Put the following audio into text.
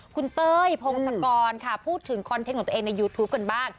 คุณเต้ยพงศกรค่ะพูดถึงคอนเทนต์ของตัวเองในยูทูปกันบ้าง